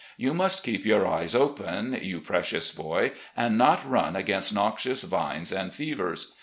You must keep your eyes open, you precious boy, and not run against noxious vines and fevers.